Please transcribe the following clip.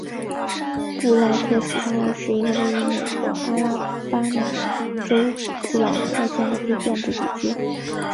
布赖特斯塔尔是一个位于美国阿拉巴马州布朗特县的非建制地区。